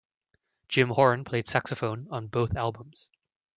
Jim Horn played saxophone on both albums.